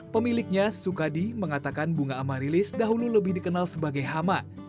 pemiliknya sukadi mengatakan bunga amarilis dahulu lebih dikenal sebagai hama